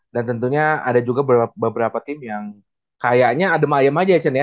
dan tentunya ada juga beberapa tim yang kayaknya ada mayem aja ya cen ya